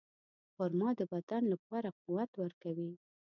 خرما د بدن لپاره قوت ورکوي.